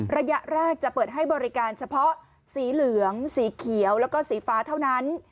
ระยะแรกจะเปิดให้บริการเฉพาะสีเหลืองสีเขียวแล้วก็สีฟ้าเท่านั้น